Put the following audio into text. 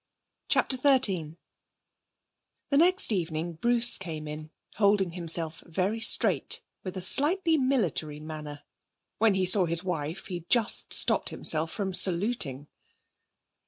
CHAPTER XIII The next evening Bruce came in, holding himself very straight, with a slightly military manner. When he saw his wife he just stopped himself from saluting.